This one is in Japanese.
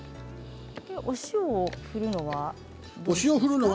お塩を振るのは？